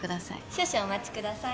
少々お待ちください